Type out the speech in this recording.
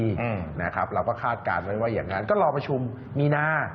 นะครับเราก็คาดการณ์ไว้ว่าอย่างนั้นก็รอประชุมมีนา